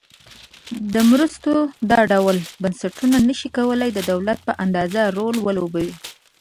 د مرستو دا ډول بنسټونه نشي کولای د دولت په اندازه رول ولوبوي.